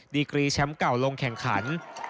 ดีกรีแชมป์เก่าลงแข่งขัน